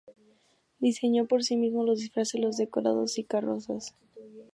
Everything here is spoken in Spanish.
Diseñó, por sí mismo, los disfraces, los decorados y carrozas.